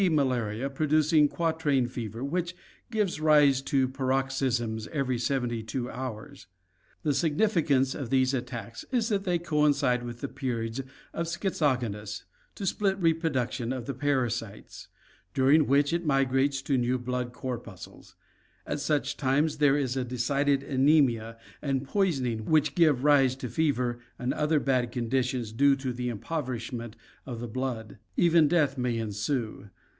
malaria, producing quatrain fever which gives rise to paroxysms every seventy two hours. The significance of these attacks is that they coincide with the periods of schizogonous (Gr. o^t'S^i/, to split) reproduction of the parasite, during which it migrates to new blood corpuscles. At such times there is a decided anemia and poisoning which give rise to fever and other bad conditions due to the impoverishment of the blood. Even death may ensue.